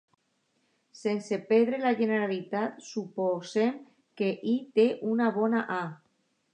Sense perdre la generalitat, suposem que Y té una bona A.